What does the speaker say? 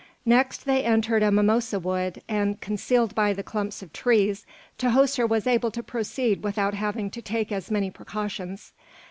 Next they entered a mimosa wood, and, concealed by the clumps of trees, Tahoser was able to proceed without having to take as many precautions.